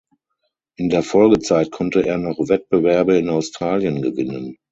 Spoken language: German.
In der Folgezeit konnte er noch Wettbewerbe in Australien gewinnen.